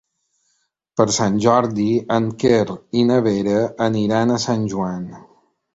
Per Sant Jordi en Quer i na Vera aniran a Sant Joan.